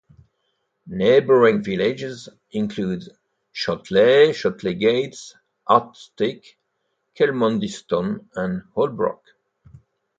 Neighbouring villages include Shotley, Shotley Gate, Harkstead, Chelmondiston and Holbrook.